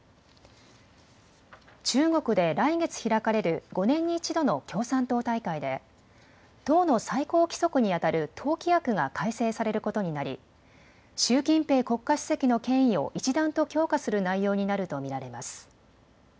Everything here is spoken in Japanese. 中国で来月開かれる５年に１度の共産党大会で党の最高規則にあたる党規約が改正されることになり習近平国家主席の権威を一段と強化する内容になると見られます。